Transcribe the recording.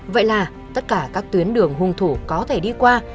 vậy là tất cả các tuyến đường hung thủ có thể đi qua